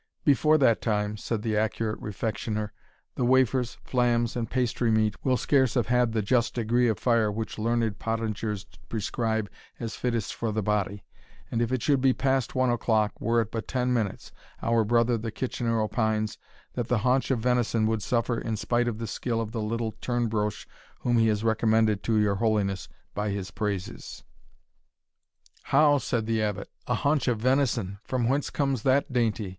"Before that time," said the accurate Refectioner, "the wafers, flamms, and pastry meat, will scarce have had the just degree of fire which learned pottingers prescribe as fittest for the body; and if it should be past one o'clock, were it but ten minutes, our brother the Kitchener opines, that the haunch of venison would suffer in spite of the skill of the little turn broche whom he has recommended to your holiness by his praises." "How!" said the Abbot, "a haunch of venison! from whence comes that dainty?